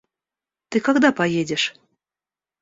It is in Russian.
Ты когда поедешь?